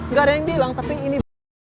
gak ada yang bilang tapi ini